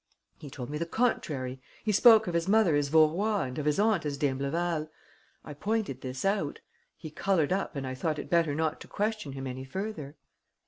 "He told me the contrary: he spoke of his mother as Vaurois and of his aunt as d'Imbleval. I pointed this out. He coloured up and I thought it better not to question him any further."